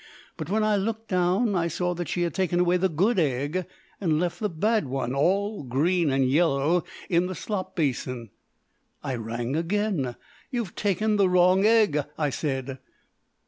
But, when I looked down, I saw that she had taken away the good egg and left the bad one all green and yellow in the slop basin. I rang again. "You've taken the wrong egg," I said.